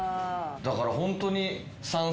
だからホントに。